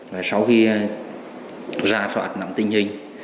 và sau khi ra soát nắm tinh hình